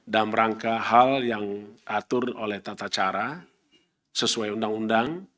dalam rangka hal yang atur oleh tata cara sesuai undang undang